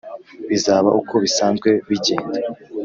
bizaba uko bisanzwe bigenda”